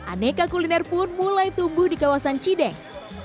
aneka kuliner pun mulai tumbuh di kawasan cideng